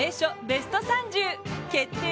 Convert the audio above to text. ベスト３０決定